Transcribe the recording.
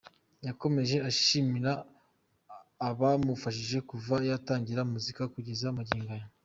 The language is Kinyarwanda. Yakomeje ashimira abamufashije kuva yatangira muzika kugeza magingo aya.